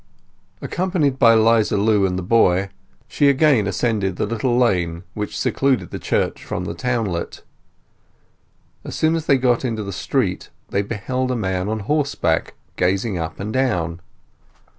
Accompanied by 'Liza Lu and the boy, she again ascended the little lane which secluded the church from the townlet. As soon as they got into the street they beheld a man on horseback gazing up and down.